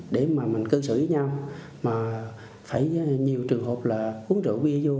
để mà mình cư xử với nhau mà phải nhiều trường hợp là uống rượu bia vô